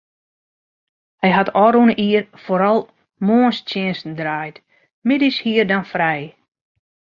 Hy hat ôfrûne jier foaral moarnstsjinsten draaid, middeis hie er dan frij.